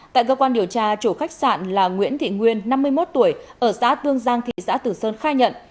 tại cơ quan điều tra chủ khách sạn là nguyễn thị nguyên năm mươi một tuổi ở xã tương giang thị xã tử sơn khai nhận